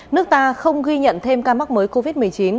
nước ta không ghi nhận thêm ca mắc mới covid một mươi chín